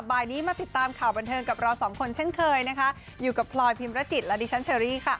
บ่ายนี้มาติดตามข่าวบันเทิงกับเราสองคนเช่นเคยนะคะอยู่กับพลอยพิมรจิตและดิฉันเชอรี่ค่ะ